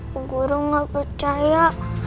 bu guru gak percaya